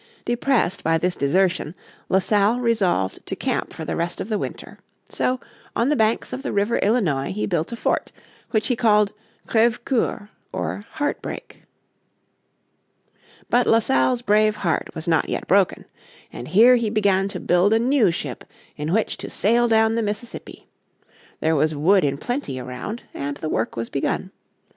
Depressed by this desertion La Salle resolved to camp for the rest of the winter. So on the banks of the river Illinois he built a fort which he called Creve Coeur, or Heart break. But La Salle's brave heart was not yet broken. And here he began to build a new ship in which to sail down the Mississippi. There was wood in plenty around, and the work was begun.